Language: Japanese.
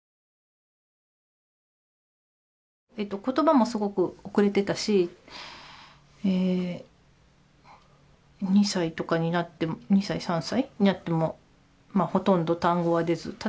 言葉もすごく遅れていたし２歳とかになって２歳３歳になってもほとんど単語は出ず。